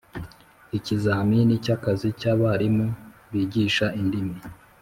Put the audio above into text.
Ikizamini cy akazi cy abarimu bigisha indimi